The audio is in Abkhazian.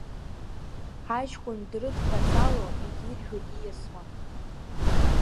Аҷкәын дрыдҳәаҵало, идиржәуеит ииасуа.